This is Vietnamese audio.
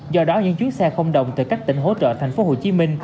do đó những chuyến xe không đồng từ các tỉnh hỗ trợ tp hcm